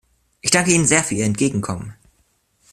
Ich danke Ihnen sehr für Ihr Entgegenkommen.